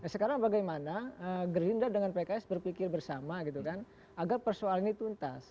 sekarang bagaimana gerinda dengan pks berpikir bersama gitu kan agar persoalan ini tuntas